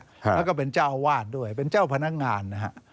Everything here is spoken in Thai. แล้วก็เป็นเจ้าอาวาสด้วยเป็นเจ้าพนักงานนะฮะ